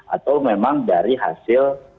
atau memang dari hasil